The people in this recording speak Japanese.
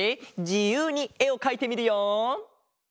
じゆうにえをかいてみるよ！